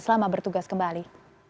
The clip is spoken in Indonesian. selama bertugas kembali